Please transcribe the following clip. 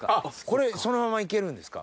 これそのままいけるんですか？